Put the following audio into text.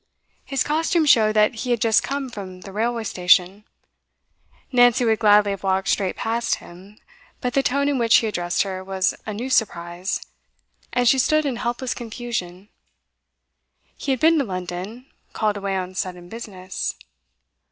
His costume showed that he had just come from the railway station. Nancy would gladly have walked straight past him, but the tone in which he addressed her was a new surprise, and she stood in helpless confusion. He had been to London called away on sudden business.